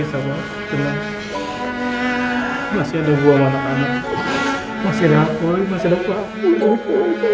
masih ada buah banget anak